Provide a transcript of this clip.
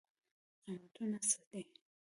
قیمتونه څنګه دی؟